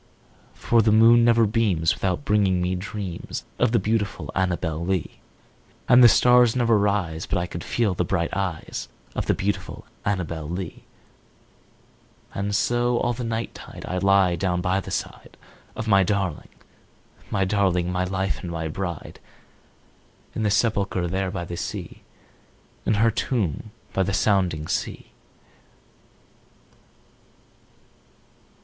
For the moon never beams without bringing me dreams Of the beautiful Annabel Lee; And the stars never rise but I feel the bright eyes Of the beautiful Annabel Lee; And so, all the night tide, I lie down by the side Of my darling my darling my life and my bride, In the sepulchre there by the sea, In her tomb by the sounding sea.